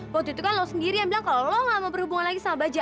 waktu itu kan lo sendiri yang bilang kalau lo gak mau berhubungan lagi sama baja